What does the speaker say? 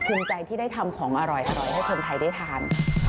คุณใจที่ได้ทำของอร่อยอร่อยที่คนไทยได้ทาน